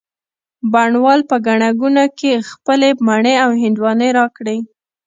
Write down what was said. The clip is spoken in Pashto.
بڼ وال په ګڼه ګوڼه کي خپلې مڼې او هندواڼې را کړې